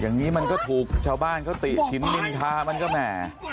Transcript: อย่างนี้มันก็ถูกชาวบ้านเขาติฉินนินทามันก็แหม่